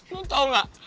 lo tau gak